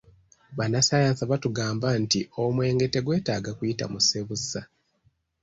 Bannasaanyansi batugamba nti omwenge tegwetaaga kuyita mu ssebusa.